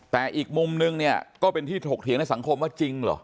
แต่อีกมุมนึงเนี่ยก็เป็นที่ถกเถียงในสังคมว่าจริงเหรอ